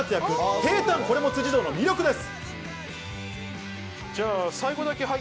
平たん、これも辻堂の魅力です。